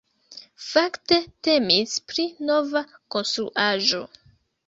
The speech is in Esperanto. Fakte temis pri nova konstruaĵo.